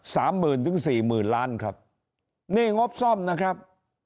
สามหมื่นถึงสี่หมื่นล้านครับนี่งบซ่อมนะครับ